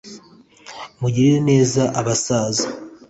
mugirire neza abasaza